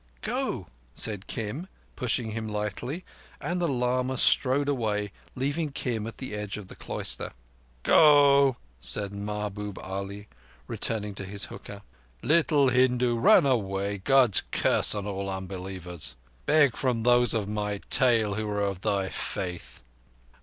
"Go!" said Kim, pushing him lightly, and the lama strode away, leaving Kim at the edge of the cloister. "Go!" said Mahbub Ali, returning to his hookah. "Little Hindu, run away. God's curse on all unbelievers! Beg from those of my tail who are of thy faith."